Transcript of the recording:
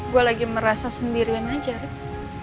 gue lagi merasa sendirian aja rid